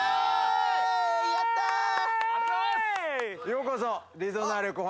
ようこそ。